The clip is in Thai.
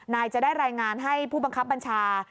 นายจะได้รายงานให้ผู้บังคับบัญชา